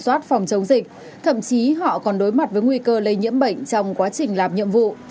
soát phòng chống dịch thậm chí họ còn đối mặt với nguy cơ lây nhiễm bệnh trong quá trình làm nhiệm vụ